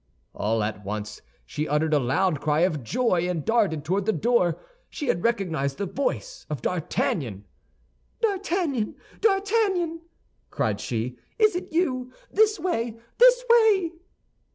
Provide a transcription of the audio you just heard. All at once she uttered a loud cry of joy, and darted toward the door; she had recognized the voice of D'Artagnan. "D'Artagnan! D'Artagnan!" cried she, "is it you? This way! this way!"